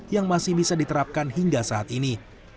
yang masih bisa diterapkan hingga saat ini